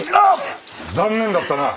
残念だったな。